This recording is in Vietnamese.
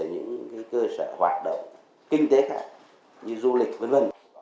những cơ sở hoạt động kinh tế khác như du lịch v v